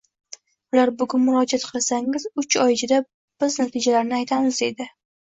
ular bugun murojaat qilsangiz uch oy ichida biz natijalarni aytamiz, deydi.